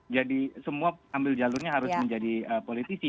jadi semua ambil jalurnya harus menjadi politisi